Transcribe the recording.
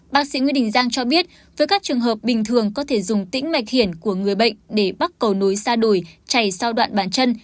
bác sĩ nguyễn đình giang cho biết với các trường hợp bình thường có thể dùng tĩnh mạch hiển của người bệnh để bắt cầu nối xa đuổi chảy sau đoạn bản chân